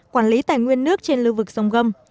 quản lý tài nguyên nước trên lưu vực sông gâm